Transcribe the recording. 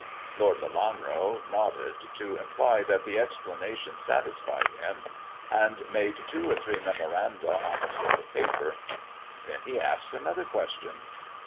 Lord Lelanro nodded, to imply that the explanation satisfied him, and made two or three memoranda on a slip of paper. Then he asked another question.